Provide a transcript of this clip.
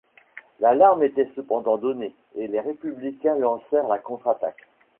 L'alarme était cependant donnée et les Républicains lancèrent la contre-attaque.